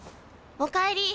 お帰り。